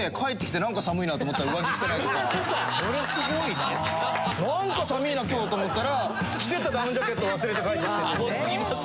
なんか寒いな今日と思ったら着てたダウンジャケット忘れて帰ってきたりとか。